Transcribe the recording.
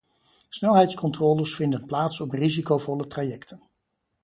Snelheidscontroles vinden plaats op risicovolle trajecten.